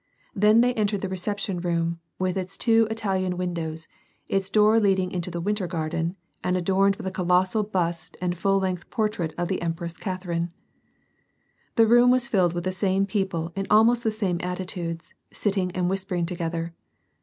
Then they entered the reception room, with its two Italian windows, its door leading into the "winter garden," and adorned with a colossal bust and a full length portrait of tlie Empress Catherine. The room was filled with the same people in almost the same attitudes, sitting and whispering together.